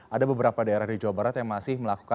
ada beberapa daerah di jawa barat yang masih melakukan